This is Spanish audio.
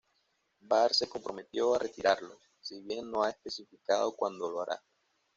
Barr se comprometió a retirarlos, si bien no ha especificado cuándo lo hará.